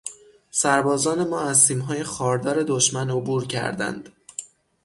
سربازان ما از سیمهای خاردار دشمن عبور کردند.